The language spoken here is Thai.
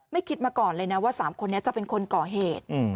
คิดมาก่อนเลยนะว่า๓คนนี้จะเป็นคนก่อเหตุ